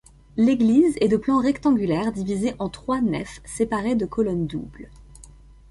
L'église est de plan rectangulaire divisé en trois nefs séparées de colonnes doubles.